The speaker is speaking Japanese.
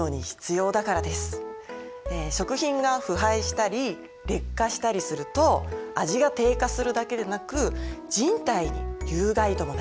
食品が腐敗したり劣化したりすると味が低下するだけでなく人体に有害ともなりえます。